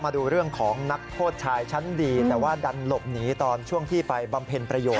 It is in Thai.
มาดูเรื่องของนักโทษชายชั้นดีแต่ว่าดันหลบหนีตอนช่วงที่ไปบำเพ็ญประโยชน